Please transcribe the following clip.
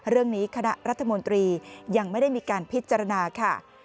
เรื่องนี้คณะรัฐมนตรียังไม่ได้มีการพิจารณาค่ะ